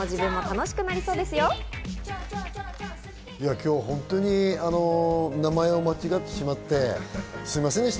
今日はほんとに名前を間違ってしまってすみませんでした。